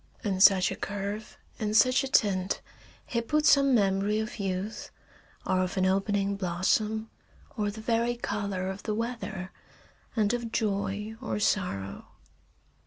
In such a curve, in such a tint, he put some memory of youth, or of an opening blossom, or the very color of the weather, and of joy or sorrow.